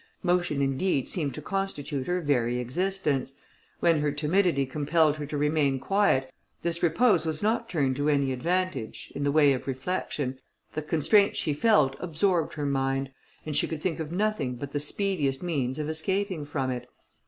Motion, indeed, seemed to constitute her very existence. When her timidity compelled her to remain quiet, this repose was not turned to any advantage, in the way of reflection: the constraint she felt absorbed her mind, and she could think of nothing but the speediest means of escaping from it.